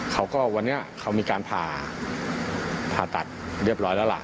เขาก็วันนี้เขามีการผ่าผ่าตัดเรียบร้อยแล้วล่ะ